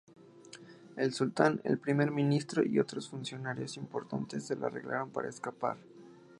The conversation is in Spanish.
El sultán, el primer ministro y otros funcionarios importantes se las arreglaron para escapar.